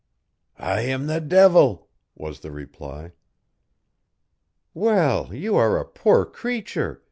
"I am the devil!" was the reply. "Well, you are a poor creature!"